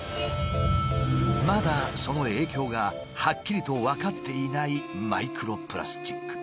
まだその影響がはっきりと分かっていないマイクロプラスチック。